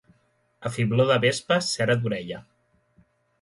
A fibló de vespa, cera d'orella.